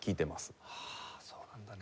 ああそうなんだね。